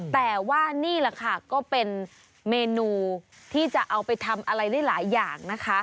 แต่ว่านี่แหละค่ะก็เป็นเมนูที่จะเอาไปทำอะไรได้หลายอย่างนะคะ